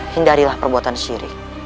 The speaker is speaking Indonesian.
hindarilah perbuatan syirik